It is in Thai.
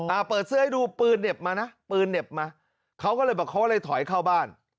เปิดเสื้อให้ดูปืนเหน็บมานะปืนเหน็บมาเขาก็เลยบอกเขาเลยถอยเข้าบ้าน